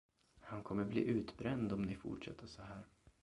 Han kommer bli utbränd om ni fortsätter såhär.